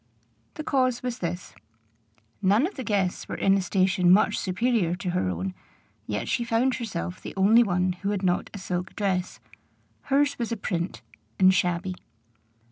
The cause was this: none of the guests were in a station much superior to her own, yet she found herself the only one who had not a silk dress: hers was a print, and shabby.